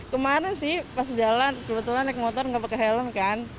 kemarin sih pas jalan kebetulan naik motor nggak pakai helm kan